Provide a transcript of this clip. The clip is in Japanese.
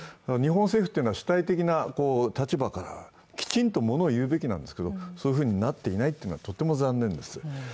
日本政府というのは主体的な立場からきちんと物を言うべきなんですけどそういうふうになっていないというのはとても残念です。